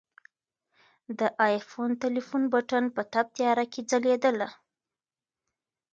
د آیفون ټلیفون بټن په تپ تیاره کې ځلېدله.